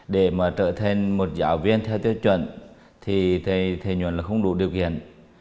để mà trở thành một giáo viên theo tiêu chuẩn thì thầy nhuận là không đủ điều kiện